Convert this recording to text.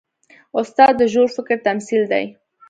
استاد د ژور فکر تمثیل دی.